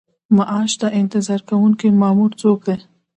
معاش ته انتظار کوونکی مامور څوک دی؟